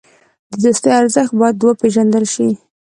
د دوستۍ ارزښت باید وپېژندل شي.